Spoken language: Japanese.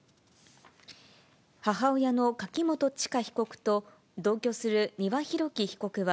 母親の柿本知香被告と、同居する丹羽洋樹被告は、